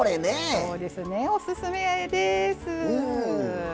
そうですねおすすめです。